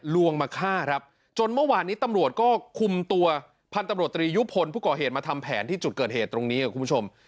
ลวงมาฆ่าครับจนเมื่อวานนี้ตำรวจก็คุมตัวพันธุ์ตำรวจตรียุพลผู้ก่อเหตุมาทำแผนที่จุดเกิดเหตุตรงนี้ครับคุณผู้ชม